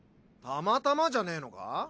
たまたまじゃねえのか？